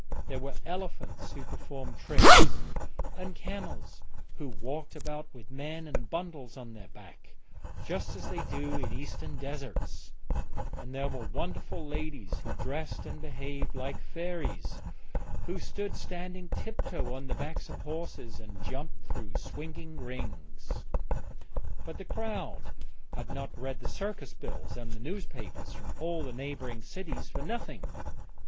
There were elephants who performed tricks, and camels who walked about with men and bundles on their backs just as they do in eastern deserts, and there were wonderful ladies who dressed and behaved like fairies, and who rode standing tip toe on the backs of horses and jumped through swinging rings. But the crowd had not read the circus bills and the newspapers from all the neighbouring cities for nothing.